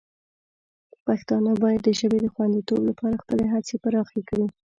پښتانه باید د ژبې د خوندیتوب لپاره خپلې هڅې پراخې کړي.